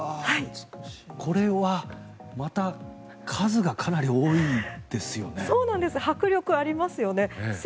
これはまた数がかなり多いですよね。